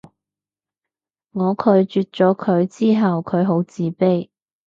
我拒絕咗佢之後佢好自卑